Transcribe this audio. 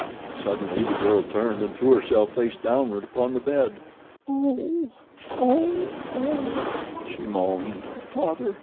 Suddenly the girl turned and threw herself face downward upon the bed. "O, God!" she moaned. "Father!